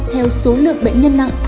theo số lượng bệnh nhân nặng